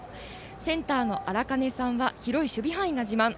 センターのあらかねさんは広い守備範囲が自慢。